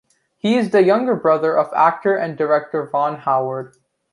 He is the younger brother of actor and director Ron Howard.